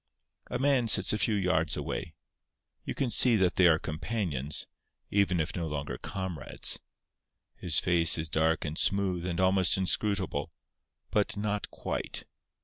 A man sits a few yards away. You can see that they are companions, even if no longer comrades. His face is dark and smooth, and almost inscrutable—but not quite.